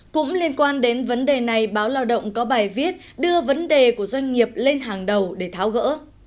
cũng liên quan đến vấn đề này báo lao động có bài viết đưa vấn đề của doanh nghiệp lên hàng đầu để tháo gỡ